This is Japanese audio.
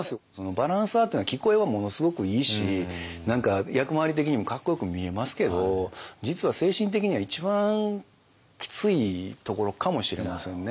バランサーっていうのは聞こえはものすごくいいし何か役回り的にもかっこよく見えますけど実は精神的には一番きついところかもしれませんね。